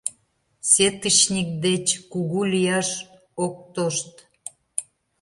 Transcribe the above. Сетычник деч кугу лияш ок тошт.